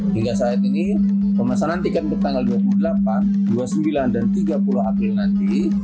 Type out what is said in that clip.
hingga saat ini pemesanan tiket untuk tanggal dua puluh delapan dua puluh sembilan dan tiga puluh april nanti